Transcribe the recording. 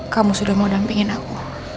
kamu sudah mau dampingin aku